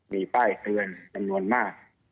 มีป้ายเตือนจำนวนมาก